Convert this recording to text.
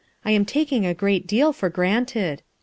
I am taking a great deal for granted."